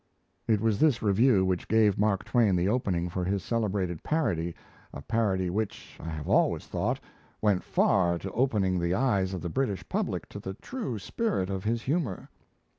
It was this review which gave Mark Twain the opening for his celebrated parody a parody which, I have always thought, went far to opening the eyes of the British public to the true spirit of his humour.